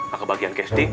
gak kebagian casting